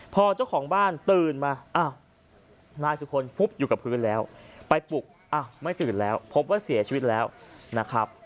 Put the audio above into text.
พอเจ้าของบ้านตื่นมาอ้าวนายสุคลฟุบอยู่กับพื้นแล้วไปปลุกอ้าวไม่ตื่นแล้วพบว่าเสียชีวิตแล้วนะครับ